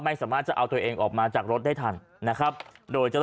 ไม่สามารถจะเอาตัวเองออกมาจากรถได้ทันนะครับ